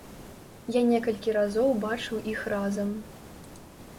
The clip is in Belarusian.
Я некалькі разоў бачыў іх разам.